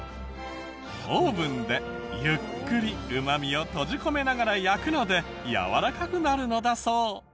オーブンでゆっくりうまみを閉じ込めながら焼くのでやわらかくなるのだそう。